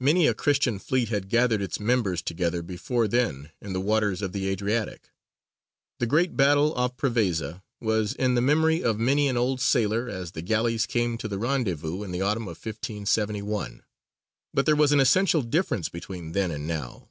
Many a Christian fleet had gathered its members together before then in the waters of the Adriatic. The great battle off Prevesa was in the memory of many an old sailor as the galleys came to the rendezvous in the autumn of 1571. But there was an essential difference between then and now.